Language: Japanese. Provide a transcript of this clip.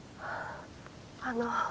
あの。